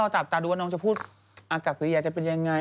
ดูว่าน้องจะพูดอาการปริยัตร์จะเป็นยังไง